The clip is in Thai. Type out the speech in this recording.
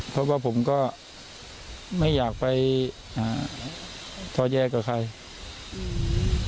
เพราะว่าผมก็ไม่อยากไปอ่าท้อแย้กับใครอืม